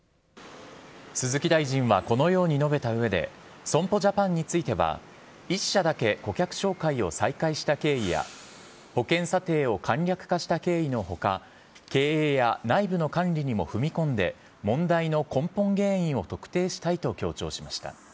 鈴木大臣はこのように述べたうえで、損保ジャパンについては、１社だけ顧客紹介を再開した経緯や、保険査定を簡略化した経緯のほか、経営や内部の管理にも踏み込んで、問題の根本原因を特定したいと強調しました。